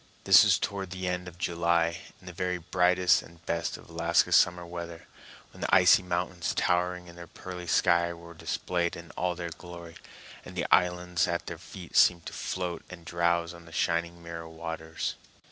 This was toward the end of July, in the very brightest and best of Alaska summer weather, when the icy mountains towering in the pearly sky were displayed in all their glory, and the islands at their feet seemed to float and drowse on the shining mirror waters.